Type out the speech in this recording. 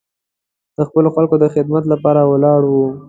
د خپلو خلکو د خدمت لپاره ولاړ و.